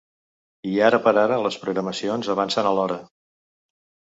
I, ara per ara, les programacions avancen alhora.